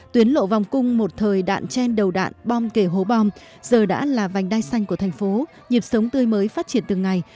tuyến lộ vòng cung một thời đạn chen đầu đạn bom kể hố bom giờ đã là vành đai xanh của thành phố nhịp sống tươi mới phát triển từng ngày